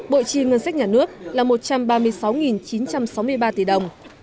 bộ chi ngân sách nhà nước là một trăm ba mươi sáu chín trăm sáu mươi ba tỷ đồng